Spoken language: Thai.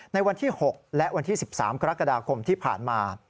ในวันที่๖และวันที่๑๓กรกฎาคมที่ผ่านมา